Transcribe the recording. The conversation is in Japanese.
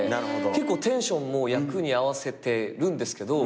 結構テンションも役に合わせてるんですけどま